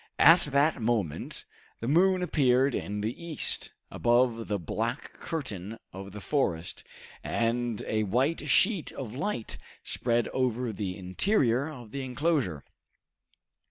At that moment the moon appeared in the east, above the black curtain of the forest, and a white sheet of light spread over the interior of the enclosure.